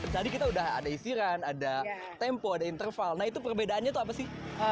jadi kita udah ada easy run ada tempo ada interval nah itu perbedaannya tuh apa sih